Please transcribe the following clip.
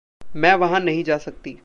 मैं वहाँ नहीं जा सकती।